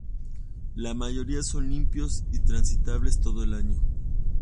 La mayoría son limpios y transitables todo el año.